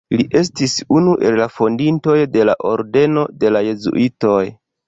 Li estis unu el la fondintoj de la ordeno de la jezuitoj.